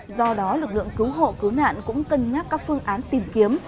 do đó lực lượng cứu hộ cứu nạn cũng cân nhắc các phương án tìm kiếm